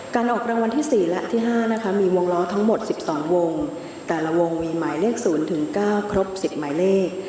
ออกรางวัลที่๔และที่๕นะคะมีวงล้อทั้งหมด๑๒วงแต่ละวงมีหมายเลข๐๙ครบ๑๐หมายเลข